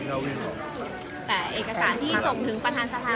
แต่เอกสารที่ส่งถึงประธานสถานก็คือ